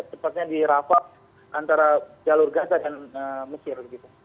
tepatnya di rafah antara jalur gaza dan mesir